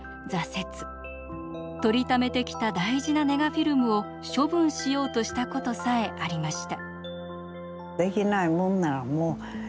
撮りためてきた大事なネガフィルムを処分しようとしたことさえありました。